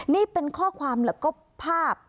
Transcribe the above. นี่เป็นข้อความแล้วก็ภาพ